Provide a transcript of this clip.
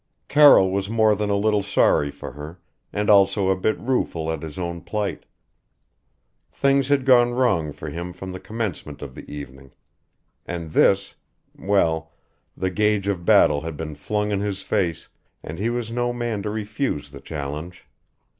Carroll was more than a little sorry for her, and also a bit rueful at his own plight. Things had gone wrong for him from the commencement of the evening. And this well, the gage of battle had been flung in his face and he was no man to refuse the challenge.